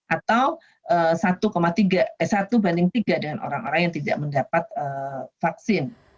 atau satu banding tiga dengan orang orang yang tidak mendapat vaksin